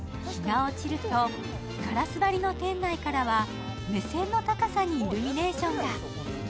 ガラス張りの店内からは目線の高さにイルミネーションが。